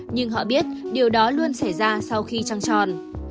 nhưng họ biết điều đó luôn xảy ra sau khi trăng tròn